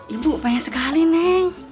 ibu pengen sekali neng